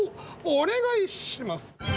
お願いします！